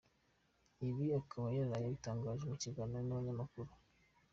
Ibi akaba yaraye abitangaje mu kiganiro nabanyamakuru.